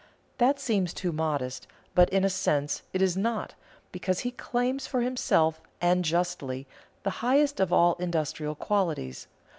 That seems too modest; but in a sense it is not, because he claims for himself, and justly, the highest of all industrial qualities.